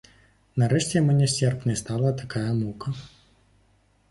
Нарэшце яму нясцерпнай стала такая мука.